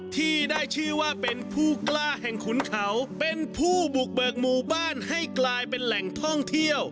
ที่ได้ชื่อว่าเป็นผู้กล้าแห่งขุนเขาเป็นผู้บุกเบิกหมู่บ้านให้กลายเป็นแหล่งท่องเที่ยว